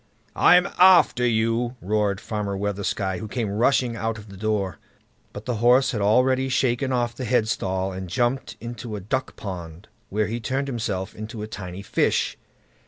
"I'M AFTER YOU", roared Farmer Weathersky, who came rushing out of the door. But the horse had already shaken off the headstall, and jumped into a duck pond, where he turned himself into a tiny fish.